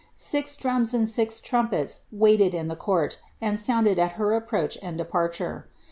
Six drams and X trumpets waited in the court, and sounded at her a^^roach and rparture.